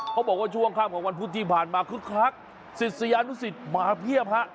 เขาบอกว่าช่วงข้ามของวันพุทธที่ผ่านมาคือคลักษณ์สิทธิ์สยานุสิทธิ์มาเพียบ